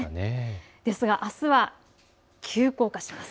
ですがあすは急降下します。